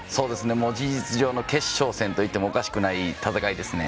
事実上の決勝戦といってもおかしくない戦いですね。